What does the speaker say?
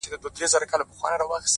ويل يې غواړم ځوانيمرگ سي!